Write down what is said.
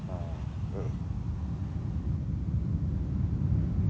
うん。